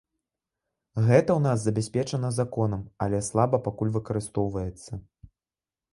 Гэта ў нас забяспечана законам, але слаба пакуль выкарыстоўваецца.